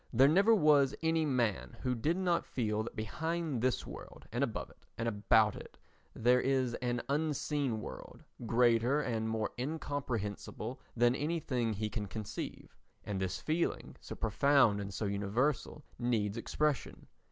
There never was any man who did not feel that behind this world and above it and about it there is an unseen world greater and more incomprehensible than anything he can conceive, and this feeling, so profound and so universal, needs expression.